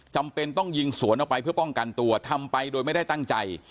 จำเป็นต้องยิงสวนออกไปเพื่อป้องกันตัวทำไปโดยไม่ได้ตั้งใจ